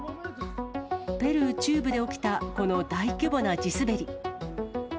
ペルー中部で起きた、この大規模な地滑り。